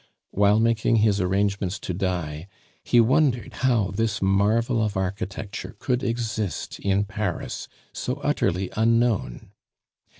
While making his arrangements to die, he wondered how this marvel of architecture could exist in Paris so utterly unknown.